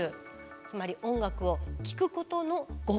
つまり音楽を聴くことのご褒美。